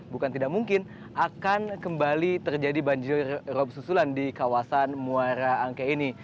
bukan tidak mungkin akan kembali terjadi banjir rob susulan di kawasan